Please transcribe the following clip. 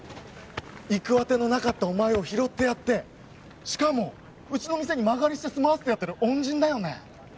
行く当てのなかったお前を拾ってやってしかもうちの店に間借りして住まわせてやってる恩人だよね？